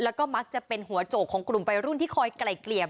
แล้วก็มักจะเป็นหัวโจกของกลุ่มวัยรุ่นที่คอยไกลเกลี่ย